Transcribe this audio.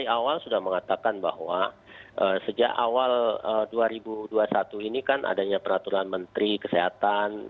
awal sudah mengatakan bahwa sejak awal dua ribu dua puluh satu ini kan adanya peraturan menteri kesehatan